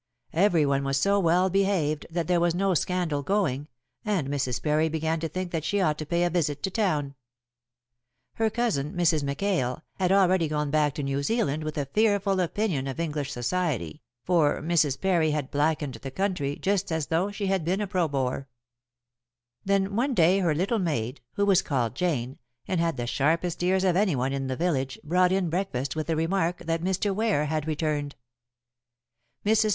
Everyone was so well behaved that there was no scandal going, and Mrs. Parry began to think that she ought to pay a visit to town. Her cousin, Mrs. McKail, had already gone back to New Zealand with a fearful opinion of English Society, for Mrs. Parry had blackened the country just as though she had been a pro Boer. Then one day her little maid, who was called Jane, and had the sharpest ears of any one in the village, brought in breakfast with the remark that Mr. Ware had returned. Mrs.